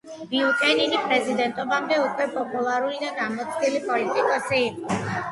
ბიუკენენი პრეზიდენტობამდე უკვე პოპულარული და გამოცდილი პოლიტიკოსი იყო.